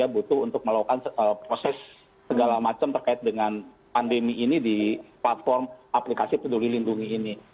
butuh untuk melakukan proses segala macam terkait dengan pandemi ini di platform aplikasi peduli lindungi ini